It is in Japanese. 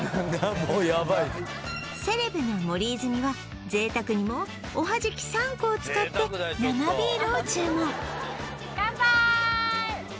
もうやばいセレブの森泉は贅沢にもおはじき３個を使って生ビールを注文乾杯